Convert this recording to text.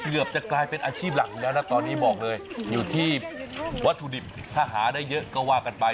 เกือบจะกลายเป็นอาชีพหลักอยู่แล้วนะตอนนี้บอกเลยอยู่ที่วัตถุดิบถ้าหาได้เยอะก็ว่ากันไป